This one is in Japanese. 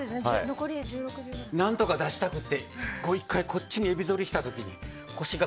何とか出したくて１回、後ろにエビぞりした時に腰が。